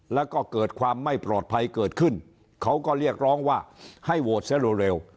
แล้วก็เกิดความไม่ปลอดภัยเกิดขึ้นเขาก็เรียกร้องว่าให้โหวตเสียเร็ว